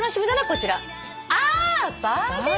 こちら。